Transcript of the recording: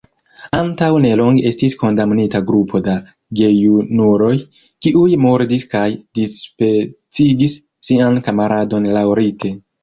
Antaŭ nelonge estis kondamnita grupo da gejunuloj, kiuj murdis kaj dispecigis sian kamaradon laŭrite.